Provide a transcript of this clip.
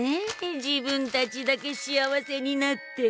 自分たちだけ幸せになって。